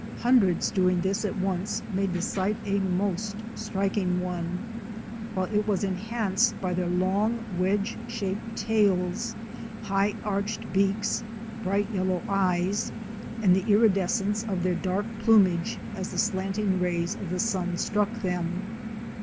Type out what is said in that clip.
Hundreds doing this at once made the sight a most striking one, while it was enhanced by their long, wedge shaped tails, high arched beaks, bright yellow eyes, and the iridescence of their dark plumage as the slanting rays of the sun struck them.